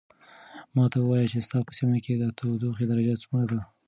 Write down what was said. ماته ووایه چې ستا په سیمه کې د تودوخې درجه څومره ده.